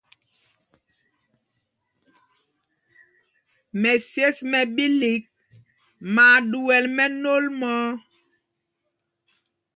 Mɛsyes mɛ ɓīlīk ɓaa ɗuɛl mɛnôl mɔ̄ɔ̄.